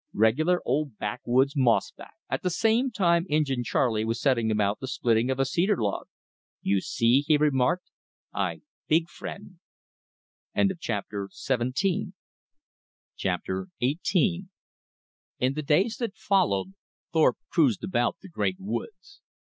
"Regular old backwoods mossback." At the same time Injin Charley was setting about the splitting of a cedar log. "You see," he remarked, "I big frien'." Chapter XVIII In the days that followed, Thorpe cruised about the great woods.